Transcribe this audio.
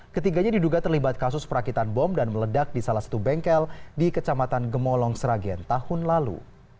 ketiganya diduga terlibat kasus perakitan bom dan meledak di salah satu bengkel di kecamatan gemolong sragen tahun lalu